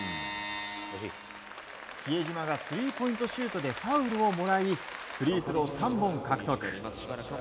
比江島がスリーポイントシュートでファウルをもらいフリースロー３本獲得。